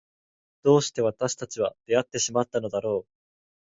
どうして私たちは出会ってしまったのだろう。